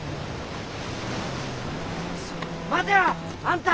待てよあんた！